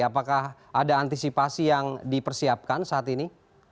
apakah ada antisipasi yang dipersiapkan saat ini